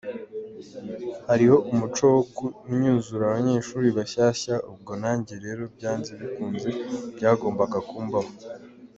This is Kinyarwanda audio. Hariho umuco wo kunnyuzura abanyeshuli bashyashya, ubwo nanjye rero byanze bikunze byagombaga kumbaho.